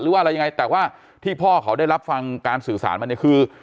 ว่าอะไรยังไงแต่ว่าที่พ่อเขาได้รับฟังการสื่อสารมาเนี่ยคือ